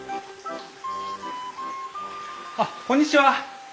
あっこんにちは！